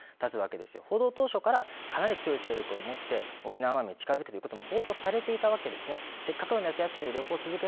今回の台風６号も発生当初からかなり勢力を持って沖縄へ近づくということも報道されていたわけです。